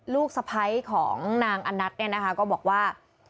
ลูกสะพ้ายของนางอนัทเนี่ยนะคะก็บอกว่า